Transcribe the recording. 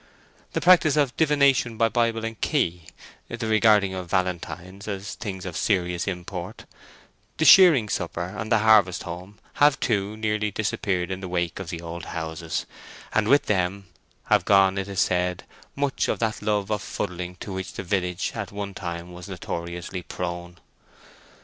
The practice of divination by Bible and key, the regarding of valentines as things of serious import, the shearing supper, and the harvest home, have, too, nearly disappeared in the wake of the old houses; and with them have gone, it is said, much of that love of fuddling to which the village at one time was notoriously prone.